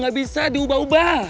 gak bisa diubah ubah